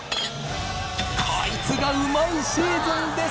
コイツがうまいシーズンです！